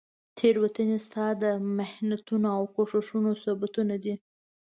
تیروتنې ستا د محنتونو او کوښښونو ثبوتونه دي.